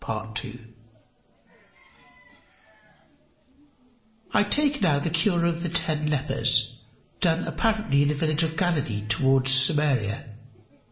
I take now the cure of the ten lepers, done apparently in a village of Galilee towards Samaria.